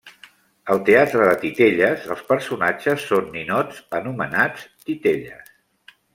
Al teatre de titelles els personatges són ninots anomenats titelles.